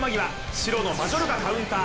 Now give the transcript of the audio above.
白のマジョルカ、カウンター。